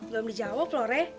belum dijawab loh reh